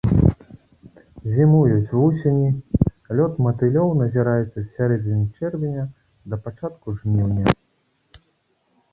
Зімуюць вусені, лёт матылёў назіраецца з сярэдзіны чэрвеня да пачатку жніўня.